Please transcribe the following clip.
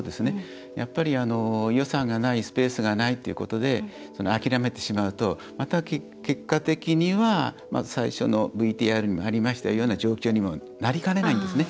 やっぱり、予算がないスペースがないっていうことで諦めてしまうと、また結果的には最初のＶＴＲにもありましたような状況にもなりかねないんですね。